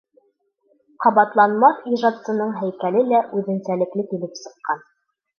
Ҡабатланмаҫ ижадсының һәйкәле лә үҙенсәлекле килеп сыҡҡан.